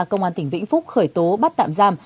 công an tỉnh vĩnh phúc khởi tố bắt tạm giam